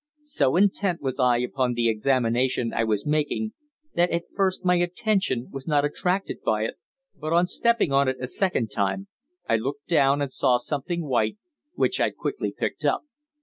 So intent was I upon the examination I was making that at first my attention was not attracted by it, but on stepping on it a second time I looked down and saw something white, which I quickly picked up.